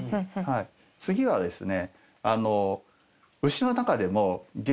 次はですね。